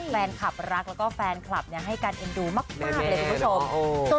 แฟนคลับรักแล้วก็แฟนคลับให้การเอ็นดูมากเลยคุณผู้ชม